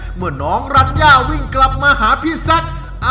เมื่อน้องรัญญาวิ่งกลับมาหาพี่แซค